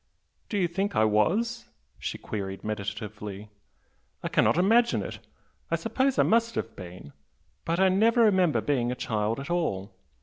"Do you think I was?" she queried meditatively "I cannot imagine it! I suppose I must have been, but I never remember being a child at all.